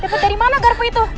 dapat dari mana garpu itu